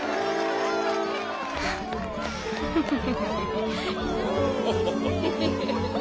フフフフフ。